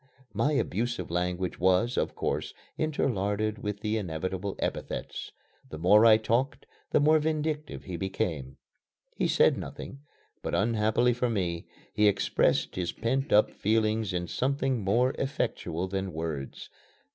My abusive language was, of course, interlarded with the inevitable epithets. The more I talked, the more vindictive he became. He said nothing, but, unhappily for me, he expressed his pent up feelings in something more effectual than words.